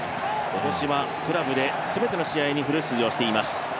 今年はクラブで全ての試合にフル出場しています。